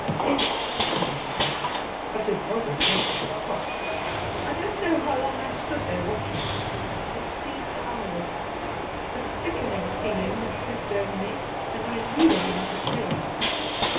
It fascinated ,me ; but it was a ghdstly spot. I don't know how long I stood there watching it. It seemed hours. A sickening feeling had crept over me, and I knew I was afraid.